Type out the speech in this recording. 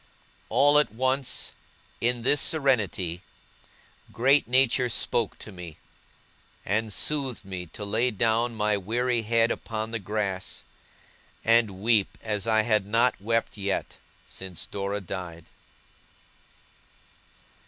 All at once, in this serenity, great Nature spoke to me; and soothed me to lay down my weary head upon the grass, and weep as I had not wept yet, since Dora died!